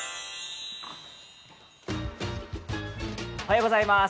おはようございます。